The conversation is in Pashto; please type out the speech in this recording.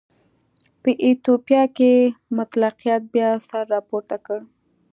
په ایتوپیا کې مطلقیت بیا سر راپورته کړ.